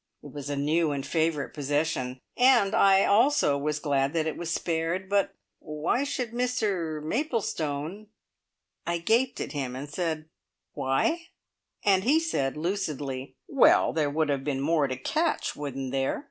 It was a new and favourite possession, and I also was glad that it was spared. But why should Mr Maplestone I gaped at him, and said: "Why?" And he said lucidly: "Well, there would have been more to catch, wouldn't there?